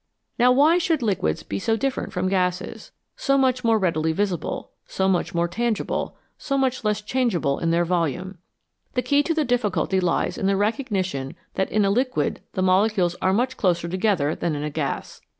Now why should liquids be so different from gases, so much more easily visible, so much more tangible, so much less changeable in their volume ? The key to the difficulty lies in the recognition that in a liquid the molecules are much closer together than in a gas.